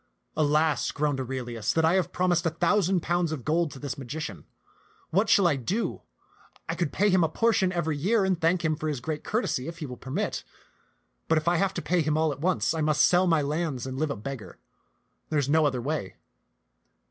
" Alas," groaned Aurelius, "that I have promised a thousand pounds of gold to this magician. What shall I do ? I could pay him a portion every year and thank him for his great cour tesy, if he will permit; but if I have to pay him all at once, I must sell my lands and live a beggar ; there is no other way.